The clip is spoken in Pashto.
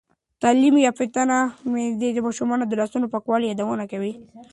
تعلیم یافته میندې د ماشومانو د لاسونو پاکولو یادونه کوي.